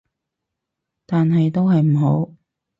但係都係唔好